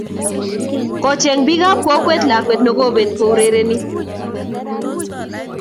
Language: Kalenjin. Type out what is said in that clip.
Kocheng bikap kokwet lakwet nogokabet kourereni